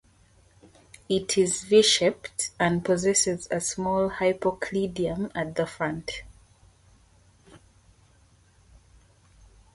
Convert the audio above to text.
It is V-shaped and possesses a small hypocleidium at the front.